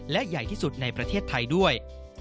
และใหญ่ที่สุดในประเทศไทยด้วย